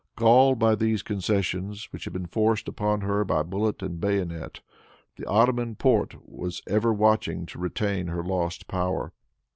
Galled by these concessions, which had been forced upon her by bullet and bayonet, the Ottoman Porte was ever watching to regain her lost power.